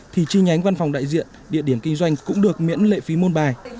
thì chi nhánh văn phòng đại diện địa điểm kinh doanh cũng được miễn lệ phí môn bài